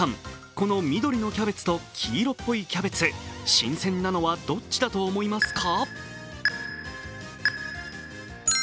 この緑のキャベツと黄色っぽいキャベツ、新鮮なのはどっちだと思いますか？